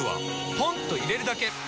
ポンと入れるだけ！